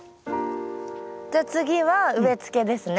じゃあ次は植えつけですね。